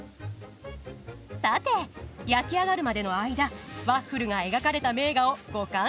さて焼き上がるまでの間ワッフルが描かれた名画をご鑑賞ください。